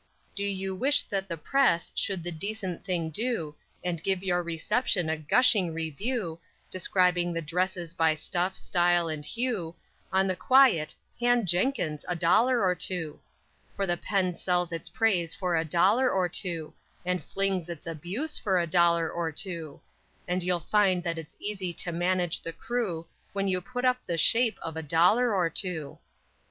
_ _Do you wish that the press should the decent thing do, And give your reception a gushing review, Describing the dresses by stuff, style and hue, On the quiet, hand "Jenkins" a dollar or two; For the pen sells its praise for a dollar or two; And flings its abuse for a dollar or two; And you'll find that it's easy to manage the crew When you put up the shape of a dollar or two!